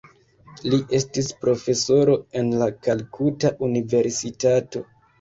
Li estis profesoro en la Kalkuta Universitato.